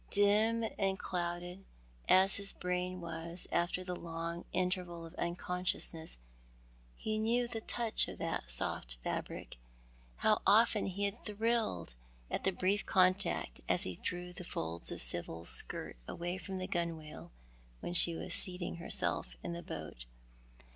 Dim and clouded as his brain was after the long interval of unconsciousness, he knew the touch of that soft fabric. How often he had thrilled at the brief contact as he drew the folds of Sibyl's skirt away from the gunwale when she was seating herself in the boat.